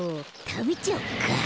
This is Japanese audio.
たべちゃおうか。